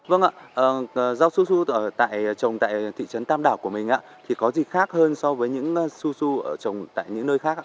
vâng ạ rau su su tại trồng tại thị trấn tam đảo của mình thì có gì khác hơn so với những su su trồng tại những nơi khác